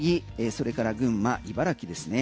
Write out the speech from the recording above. それから群馬茨城ですね。